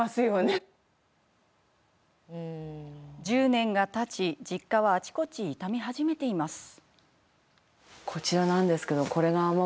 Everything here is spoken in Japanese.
１０年がたち、実家はあちこち傷み始めています。